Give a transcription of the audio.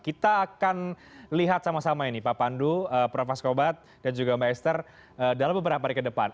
kita akan lihat sama sama ini pak pandu prof askobat dan juga mbak esther dalam beberapa hari ke depan